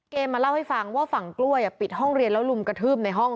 มาเล่าให้ฟังว่าฝั่งกล้วยปิดห้องเรียนแล้วลุมกระทืบในห้อง